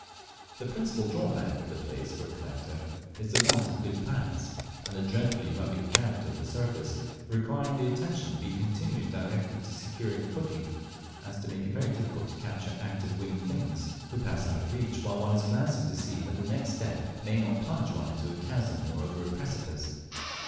The principal drawback of the place for a collector is the want of good paths, and the dreadfully rugged character of the surface, requiring the attention to be so continually directed to securing a footing, as to make it very difficult to capture active winged things, who pass out of reach while one is glancing to see that the next step may not plunge one into a chasm or over a precipice.